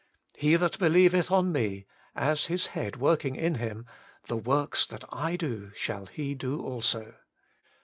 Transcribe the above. ' He that believeth on Me,' as his Head working in him, ' the works that I do shall he do also.'